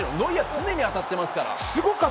常に当たってますから。